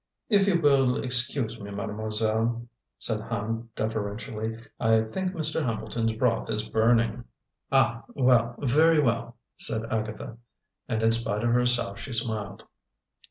"If you will excuse me, Mademoiselle," said Hand deferentially, "I think Mr. Hambleton's broth is burning." "Ah, well, very well!" said Agatha. And in spite of herself she smiled.